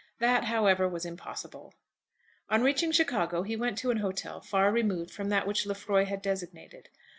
That, however, was impossible. On reaching Chicago he went to an hotel far removed from that which Lefroy had designated.